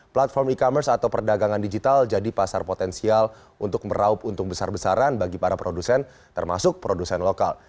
platform e commerce atau perdagangan digital jadi pasar potensial untuk meraup untung besar besaran bagi para produsen termasuk produsen lokal